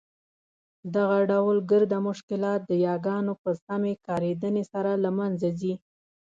دغه ډول ګرده مشکلات د یاګانو په سمي کارېدني سره له مینځه ځي.